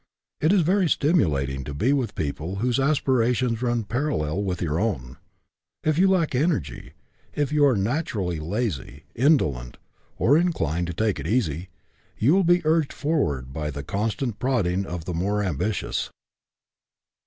It is very stimulating to be with people whose aspirations run parallel with your own. If you lack energy, if you are naturally lazy, indolent, or inclined to take it easy, you will be urged forward by the con stant prodding of the more ambitious.